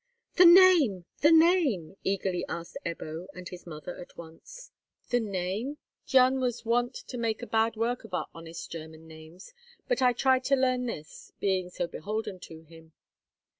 "The name—the name!" eagerly asked Ebbo and his mother at once. "The name? Gian was wont to make bad work of our honest German names, but I tried to learn this—being so beholden to him.